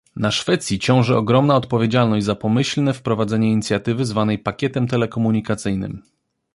Na Szwecji ciąży ogromna odpowiedzialność za pomyślne wprowadzenie inicjatywy zwanej pakietem telekomunikacyjnym